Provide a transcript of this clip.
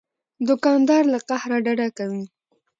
دوکاندار له قهره ډډه کوي.